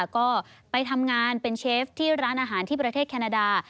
ก็ไปทำงานเป็นเชฟที่ร้านอาหารที่ประเทศแคนาดา